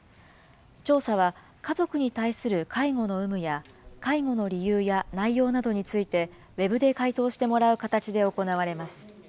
調査は、家族に対する介護の有無や、介護の理由や内容などについて、ウェブで回答してもらう形で行われます。